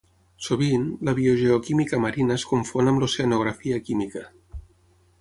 Sovint, la biogeoquímica marina es confon amb l'Oceanografia química.